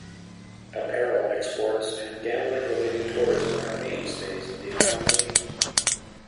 Apparel exports and gambling-related tourism are mainstays of the economy.